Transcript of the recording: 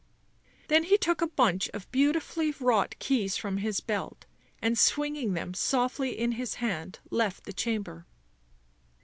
Then he took a bunch of beautifully wrought keys from his belt, and swinging them softly in his hand left the chamber.